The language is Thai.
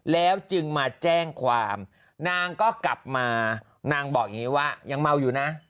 แล้วจึงมาแจ้งความนางก็กลับมานางบอกอย่างนี้ว่ายังเมาอยู่นะ